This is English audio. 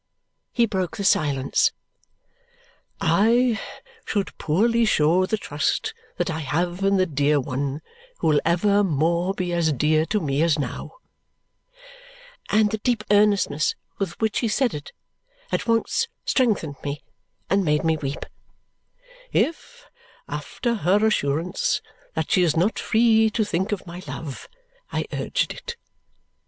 He broke the silence. "I should poorly show the trust that I have in the dear one who will evermore be as dear to me as now" and the deep earnestness with which he said it at once strengthened me and made me weep "if, after her assurance that she is not free to think of my love, I urged it.